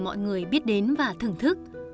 mọi người biết đến và thưởng thức